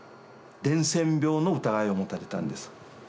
伝染病の疑いがもたれたんです。